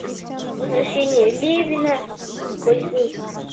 Возвращение Левина с косьбы.